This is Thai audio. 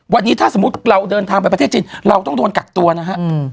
วันนี้ถ้าสมมุติเราเดินทางไปประเทศจีนเราต้องโดนกักตัวนะฮะ